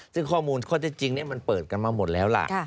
ซึ่งข้อมูลข้อเท็จจริงนี้มันเปิดกันมาหมดแล้วล่ะ